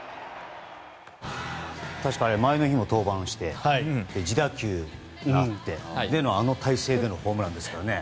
確か、前の日も登板して自打球があってでの、あの体勢でのホームランですからね。